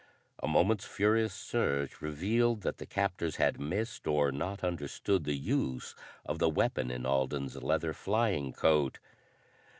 A moment's furious search revealed that the captors had missed or not understood the use of the weapon in Alden's leather flying coat.